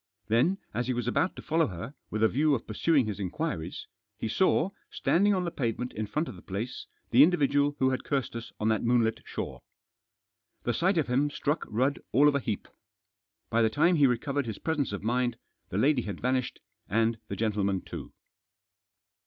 Then, as he was about to follow her, with a view of pursuing his inquiries, he saw, standing on the pavement in front of the place, the individual who had cursed us on that moonlit shore. The sight of him struck Rudd all of a heap. By the time he recovered his presence of mind, the lady had vanished, and the gentleman too.